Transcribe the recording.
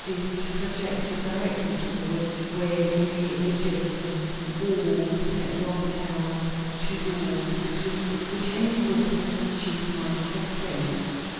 It projected directly toward where the adjacent walls had once held two doors, between which any sort of mischief might take place.